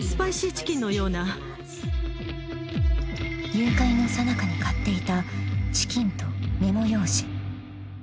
［誘拐のさなかに買っていたチキンとメモ用紙］